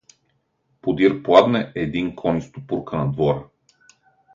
Подир пладне едии кон изтупурка на двора.